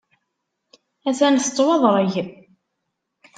Ha-t-an tettwaḍreg.